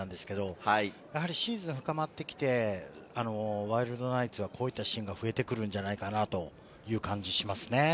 シーズンが深まってきて、ワイルドナイツはこういったシーンが増えてくるのではないかという感じがしますね。